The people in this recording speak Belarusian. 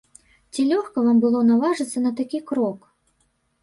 Ці лёгка вам было наважыцца на такі крок?